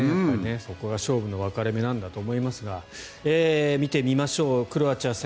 そこが勝負の分かれ目なんだと思いますが見てみましょうクロアチア戦。